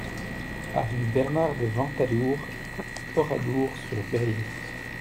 Avenue Bernard de Ventadour, Oradour-sur-Vayres